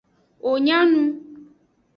Wo nya nu.